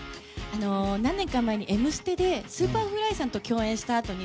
何年か前に「Ｍステ」でＳｕｐｅｒｆｌｙさんと共演したあとに